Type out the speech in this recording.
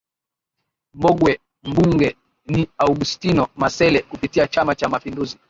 Mbogwe mbunge ni Augustino Masele kupitia Chama cha mapinduzi